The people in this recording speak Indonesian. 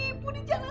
ya bu insya allah